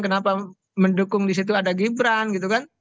kenapa mendukung di situ ada gibran gitu kan